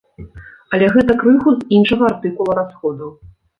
Але гэта крыху з іншага артыкула расходаў.